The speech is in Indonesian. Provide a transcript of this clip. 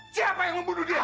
siapa yang membunuh dia